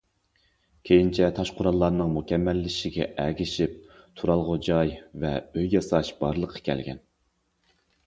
كېيىنچە تاش- قوراللارنىڭ مۇكەممەللىشىشىگە ئەگىشىپ، تۇرالغۇ جاي ۋە ئۆي ياساش بارلىققا كەلگەن.